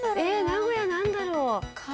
名古屋なんだろう？